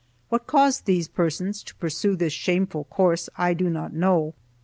What caused these persons to pursue this shameful course I do not know.